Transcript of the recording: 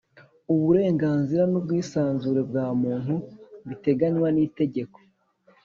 Uburenganzira n’ubwisanzure bwa muntu biteganywa n’itegeko